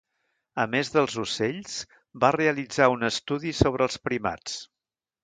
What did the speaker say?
A més dels ocells va realitzar un estudi sobre els primats.